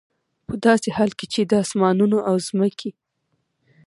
په داسي حال كي چي د آسمانونو او زمكي